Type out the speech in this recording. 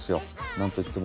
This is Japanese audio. なんといっても。